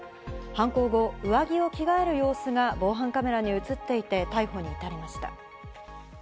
犯行後、上着を着替える様子が防犯カメラに映っていて、逮捕に至りました。